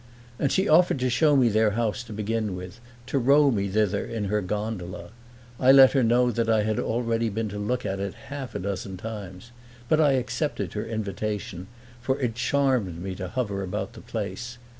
And she offered to show me their house to begin with to row me thither in her gondola. I let her know that I had already been to look at it half a dozen times; but I accepted her invitation, for it charmed me to hover about the place.